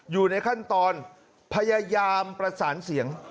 อยู่ในขั้นตอนพยายามประสานเสียง